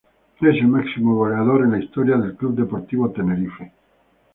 Es el máximo goleador en la historia del Club Deportivo Tenerife.